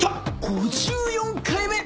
５４回目！